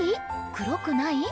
黒くない？